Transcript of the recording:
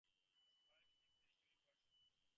Several clips of the story were shown.